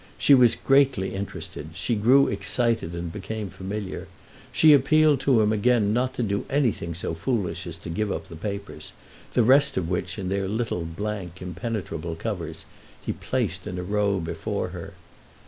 She was greatly interested, she grew excited and became familiar; she appealed to him again not to do anything so foolish as to give up the papers, the rest of which, in their little blank, impenetrable covers, he placed in a row before her.